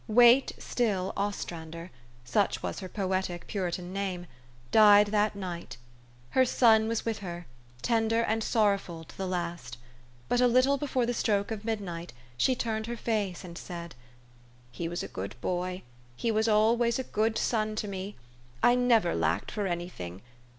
Waitstill Ostrander (such was her poetic, Puri tan name) died that night. Her son was with her, tender and sorrowful, to the last. But a little be fore the stroke of midnight she turned her face, and said, " He was a good boy he was always a good son to me. I never lacked for any thing.